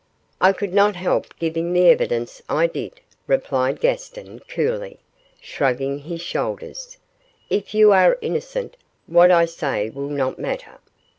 'I could not help giving the evidence I did,' replied Gaston, coolly, shrugging his shoulders; 'if you are innocent, what I say will not matter.